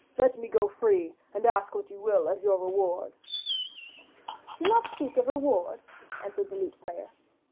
Let me go free and ask what you will as your reward.' 'Do not speak of reward,' answered the lute player.